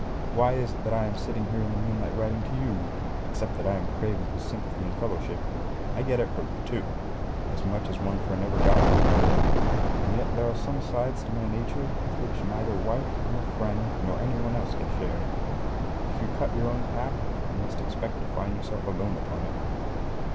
Why is it that I am sitting here in the moonlight writing to you, except that I am craving for sympathy and fellowship? I get it from you, too as much as one friend ever got from another and yet there are some sides to my nature with which neither wife nor friend nor any one else can share. If you cut your own path, you must expect to find yourself alone upon it.